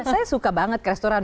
saya suka banget restoran